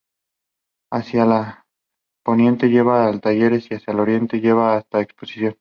Hacia el poniente lleva a Talleres y hacia el oriente lleva hasta Exposición.